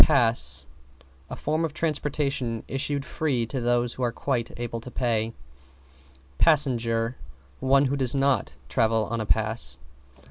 =PASS= A form of transportation issued free to those who are quite able to pay. =PASSENGER= One who does not travel on a pass.